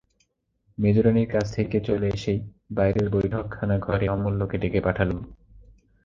মেজোরানীর কাছ থেকে চলে এসেই বাইরের বৈঠকখানা-ঘরে অমূল্যকে ডেকে পাঠালুম।